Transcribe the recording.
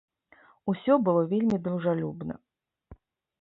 Усё было вельмі дружалюбна.